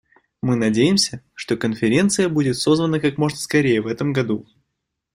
Мы надеемся, что конференция будет созвана как можно скорее в этом году.